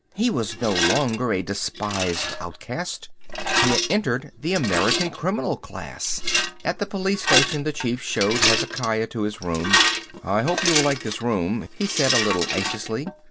He was no longer a despised outcast. He had entered the American criminal class. At the police station the chief showed Hezekiah to his room. "I hope you will like this room," he said a little anxiously.